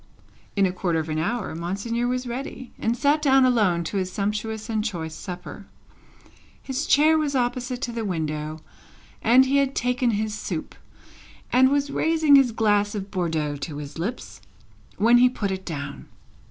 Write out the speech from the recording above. In a quarter of an hour Monseigneur was ready, and sat down alone to his sumptuous and choice supper. His chair was opposite to the window, and he had taken his soup, and was raising his glass of Bordeaux to his lips, when he put it down.